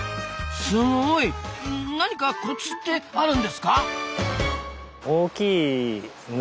すごい！何かコツってあるんですか？